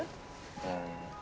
うん。